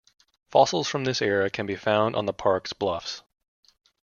Fossils from this era can be found on the parks bluffs.